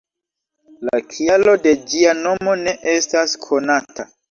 La kialo de ĝia nomo ne estas konata.